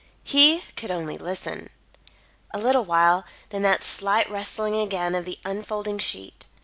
He could only listen. A little while; then that slight rustling again of the unfolding sheet.